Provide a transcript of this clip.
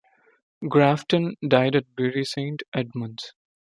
Grafton died at Bury Saint Edmunds.